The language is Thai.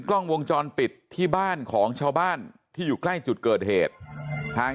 กล้องวงจรปิดที่บ้านของชาวบ้านที่อยู่ใกล้จุดเกิดเหตุทาง